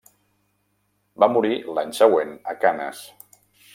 Va morir l'any següent a Canes.